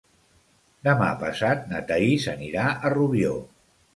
Demà passat na Thaís anirà a Rubió.